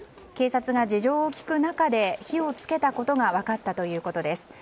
警察が事情を聴く中で火を付けたことが分かったということです。